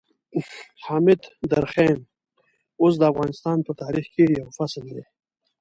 حامد درخيم اوس د افغانستان په تاريخ کې يو فصل دی.